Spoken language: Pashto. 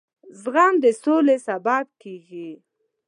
زغم د سولې سبب دی.